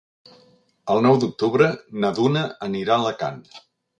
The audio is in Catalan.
El nou d'octubre na Duna anirà a Alacant.